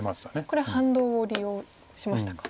これは反動を利用しましたか。